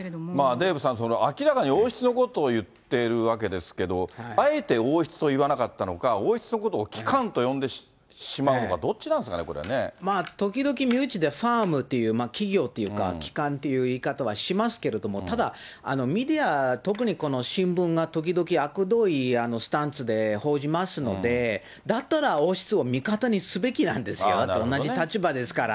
デーブさん、明らかに王室のことを言ってるわけですけど、あえて王室と言わなかったのか、王室のことを機関と呼んでしまうのか、どっちなんですかね、これ時々、身内でファームっていう企業というか、機関という言い方はしますけども、ただ、メディア、特にこの新聞が時々あくどいスタンスで報じますので、だったら、王室を味方にすべきなんですよ、同じ立場ですから。